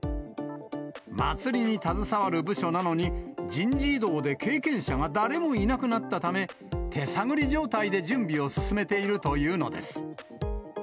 祭りに携わる部署なのに、人事異動で経験者が誰もいなくなったため、手探り状態で準備を進めているというのです。